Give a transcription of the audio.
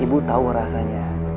ibu tau rasanya